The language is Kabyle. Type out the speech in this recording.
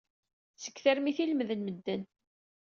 Seg termit i lemmden medden.